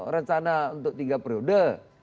rencana untuk tiga periode